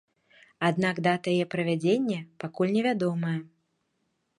Аднак дата яе правядзення пакуль невядомая.